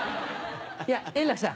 いや円楽さん